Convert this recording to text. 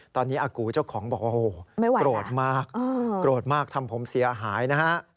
ตอนนี้อากูเจ้าของบอกโอ้โหกรวดมากทำผมเสียหายนะฮะไม่ไหวแล้ว